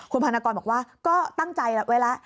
คุณพาณกรบอกว่าก็ตั้งใจไว้แล้ว